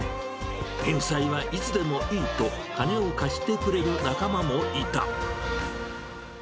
返済はいつでもいいと、金を貸してくれる仲間もいた。